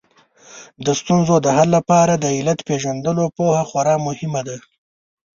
د ستونزو د حل لپاره د علت پېژندلو پوهه خورا مهمه ده